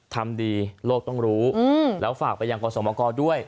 ทำดีโลกต้องรู้แล้วฝากไปยังกรสมกรด้วย